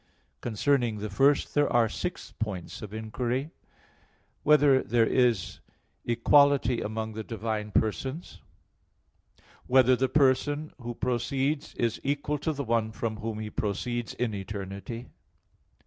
Concerning the first there are six points of inquiry. (1) Whether there is equality among the divine persons? (2) Whether the person who proceeds is equal to the one from Whom He proceeds in eternity?